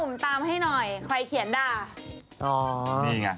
อ๋อนี่ไง